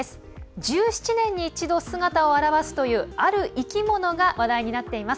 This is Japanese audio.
１７年に一度、姿を現すというある生き物が話題になっています。